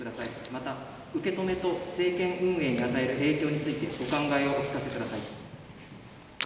また受け止めと政権運営に与える影響についてお考えをお聞かせください。